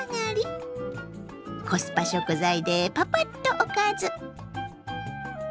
コスパ食材でパパッとおかず。